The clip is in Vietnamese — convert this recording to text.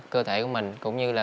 cơ thể của mình cũng như là